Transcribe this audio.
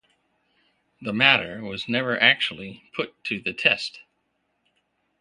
The matter was never actually put to the test.